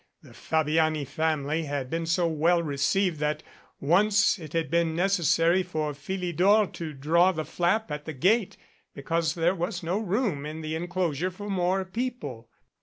The Fabiani family had been so well received that once it had been necessary for Phili dor to draw the flap at the gate because there was no room in the enclosure for more people.